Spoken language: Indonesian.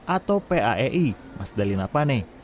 atau paei mas dalina pane